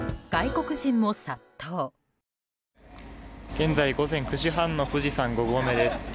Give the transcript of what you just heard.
現在午前９時半の富士山５合目です。